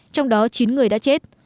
trong đó chín người đã chết